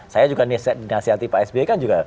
saya juga dinasihati pak sby kan juga